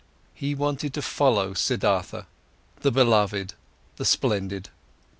He wanted to follow Siddhartha, the beloved, the splendid.